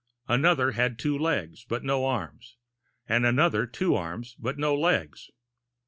Another had two legs but no arms, and another two arms but no legs.